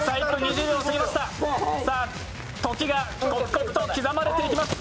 時が刻々と刻まれていきます。